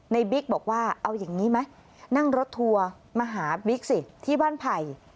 บิ๊กบอกว่าเอาอย่างนี้ไหมนั่งรถทัวร์มาหาบิ๊กสิที่บ้านไผ่